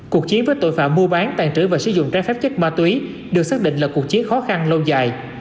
cuộc chiến với tội phạm mua bán tàn trữ và sử dụng trái phép chất ma túy được xác định là cuộc chiến khó khăn lâu dài